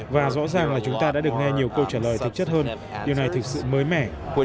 và rõ ràng là chúng ta đã được nghe nhiều câu trả lời thực chất hơn điều này thực sự mới mẻ